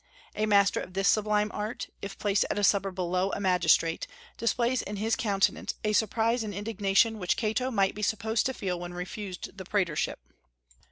A master of this sublime art, if placed at a supper below a magistrate, displays in his countenance a surprise and indignation which Cato might be supposed to feel when refused the praetorship.